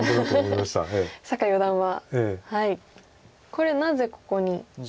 これなぜここに？